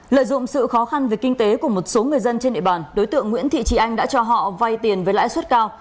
lợi dụng sự khó khăn về kinh tế của một số người dân trên địa bàn đối tượng nguyễn thị trì anh đã cho họ vay tiền với lãi suất cao